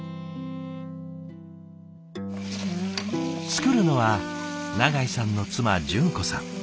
作るのは永井さんの妻淳子さん。